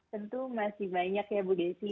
tentu masih banyak ya bu desi